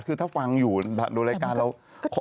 คือถ้าฟังอยู่ดูรายการเรา